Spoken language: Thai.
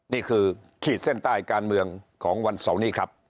ขีดเส้นใต้การเมืองของวันเสาร์นี้ครับ